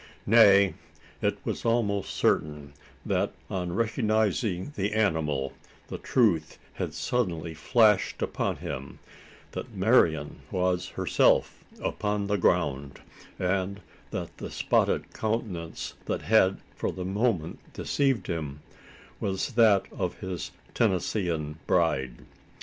Nay, it was almost certain, that on recognising the animal, the truth had suddenly flashed upon him, that Marian was herself upon the ground; and that the spotted countenance that had for the moment deceived him, was that of his Tennessean bride.